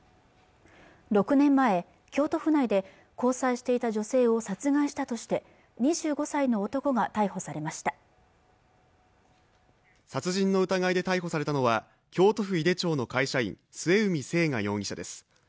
６年前、京都府内で交際していた女性を殺害したとして２５歳の男が逮捕されました殺人の疑いで逮捕されたのは京都府井手町の会社員末海征河容疑者です